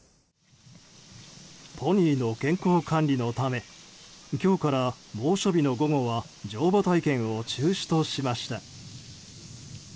ポニーの健康管理のため今日から猛暑日の午後は乗馬体験を中止としました。